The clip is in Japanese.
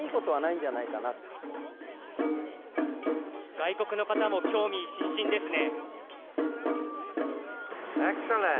外国の方も興味津々ですね。